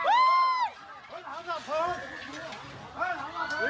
อุ้ยไม่เอาอ่ะอุ้ยหมอนไม่มีไหนนะอุ้ยหมอน